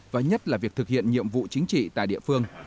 và nhất là việc thực hiện nhiệm vụ chính trị tại địa phương